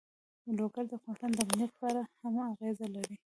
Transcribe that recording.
لوگر د افغانستان د امنیت په اړه هم اغېز لري.